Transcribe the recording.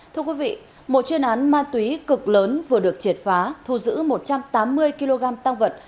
thưa quý vị một chuyên án ma túy cực lớn vừa được triệt phá thu giữ một trăm tám mươi kg tăng vật